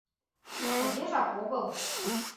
— Тыгежак огыл...